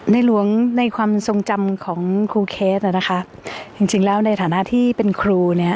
ในหลวงในความทรงจำของครูเคสจริงแล้วในฐานะที่เป็นครู